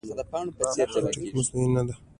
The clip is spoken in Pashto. خټکی مصنوعي نه ده.